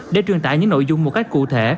để truyền tải những nội dung một cách cụ thể